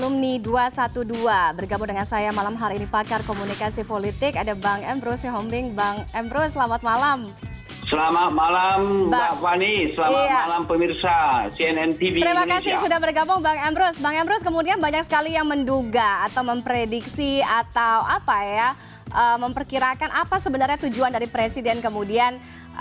memprediksi atau apa ya memperkirakan apa sebenarnya tujuan dari presiden kemudian